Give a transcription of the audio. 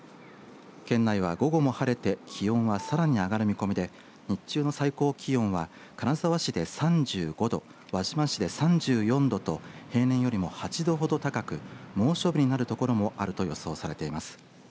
県内は午後も晴れて気温はさらに上がる見込みで日中の最高気温は金沢市で３５度輪島市で３４度と平年よりも８度ほど高く猛暑日になる所もあると予想されています。